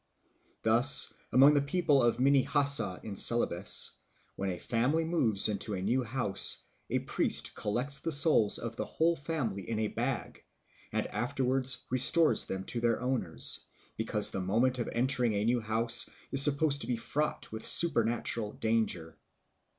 Thus among the people of Minahassa in Celebes, when a family moves into a new house, a priest collects the souls of the whole family in a bag, and afterwards restores them to their owners, because the moment of entering a new house is supposed to be fraught with supernatural danger.